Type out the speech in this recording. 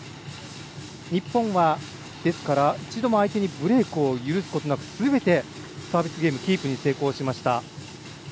日本は一度も相手にブレークを許すことなく、すべてサービスゲームキープに成功しました。